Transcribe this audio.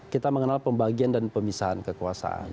kita mengenal pembagian dan pemisahan kekuasaan